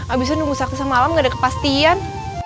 abis itu nunggu sakit sah malam gak ada kepastian